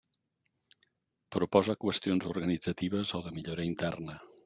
Proposa qüestions organitzatives o de millora interna.